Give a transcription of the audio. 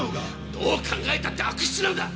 どう考えたって悪質なんだ！